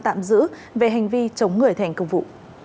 tạm giữ về hành vi chống người thành công vụ